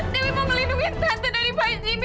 dewi mau ngelindungi tante dari pak jimmy